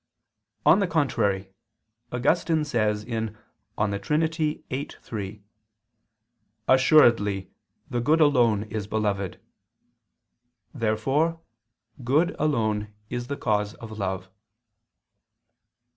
On the contrary, Augustine says (De Trin. viii, 3): "Assuredly the good alone is beloved." Therefore good alone is the cause of love.